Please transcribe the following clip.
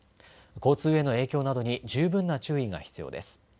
交通への影響などに十分な注意が必要です。